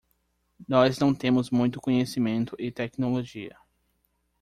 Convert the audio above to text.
Nós não temos muito conhecimento e tecnologia